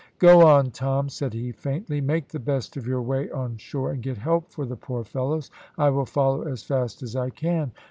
"Go on, Tom," said he faintly. "Make the best of your way on shore and get help for the poor fellows, I will follow as fast as I can."